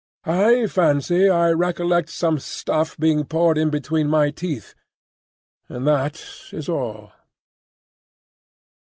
I fancy I recollect some stuff being poured in between my teeth; and that is all.